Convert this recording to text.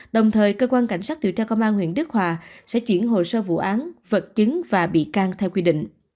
đồng thời cơ quan cảnh sát điều tra công an huyện đức hòa sẽ chuyển hồ sơ vụ án vật chứng và bị can theo quy định